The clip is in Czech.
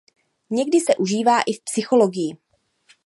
Někdy se užívá i v psychologii.